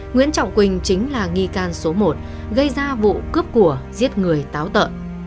nguyễn trọng quỳnh chính là nghi can số một gây ra vụ cướp của giết người táo tợ